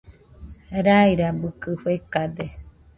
Rairabɨkɨ fekade.